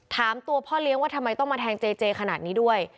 ถามตัวพ่อเลี้ยงว่าทำไมต้องมาแทงเจเจขนาดนี้ด้วย